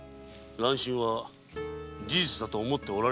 乱心は事実だと思ってはおられないのだな？